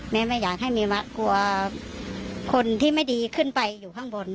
แม่ไม่อยากให้เมมะกลัวคนที่ไม่ดีขึ้นไปอยู่ข้างบน